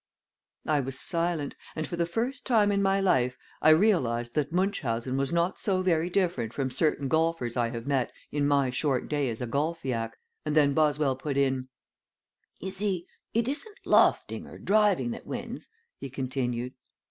I was silent, and for the first time in my life I realized that Munchausen was not so very different from certain golfers I have met in my short day as a golfiac, and then Boswell put in: "You see, it isn't lofting or driving that wins," he continued.